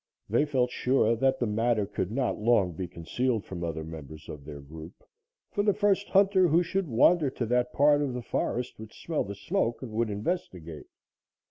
They felt sure that the matter could not long be concealed from other members of their group, for the first hunter who should wander to that part of the forest would smell the smoke and would investigate.